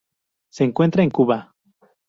Se encuentra en Cuba.